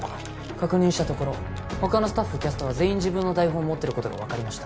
確認したところ他のスタッフキャストは全員自分の台本を持っていることが分かりました